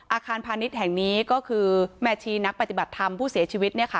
อาคารพาณิชย์แห่งนี้ก็คือแม่ชีนักปฏิบัติธรรมผู้เสียชีวิต